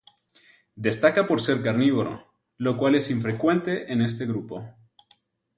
Destaca por ser carnívoro, lo cual es infrecuente en este grupo.